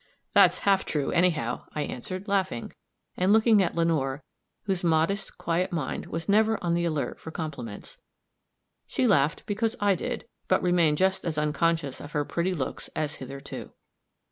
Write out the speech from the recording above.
"That's half true, anyhow," I answered, laughing, and looking at Lenore, whose modest, quiet mind was never on the alert for compliments. She laughed because I did, but remained just as unconscious of her pretty looks as hitherto.